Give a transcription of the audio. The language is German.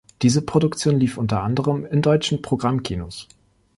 Diese Produktion lief unter anderem in deutschen Programmkinos.